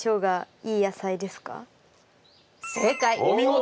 お見事！